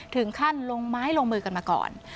ถึงขั้นลงไม้ลงมือกันมาก่อน